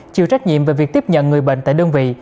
chịu trách nhiệm về việc tiếp nhận người bệnh tại đơn vị